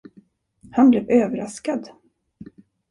Han blev överraskad.